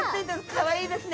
かわいいですね。